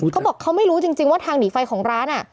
เขาบอกเขาไม่รู้จริงว่าทางหนีไฟของร้าน